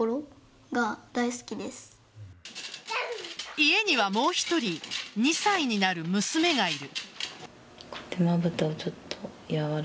家には、もう１人２歳になる娘がいる。